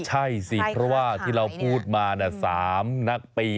ใช่สิเพราะว่าที่เราพูดมา๓นักปี